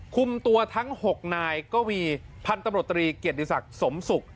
คุมตัวทั้ง๖นายก็มีพันธุ์ตำรวจตรีเกียรติศักดิ์สมศุกร์